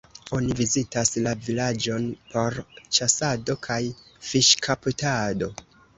Oni vizitas la vilaĝon por ĉasado kaj fiŝkaptado.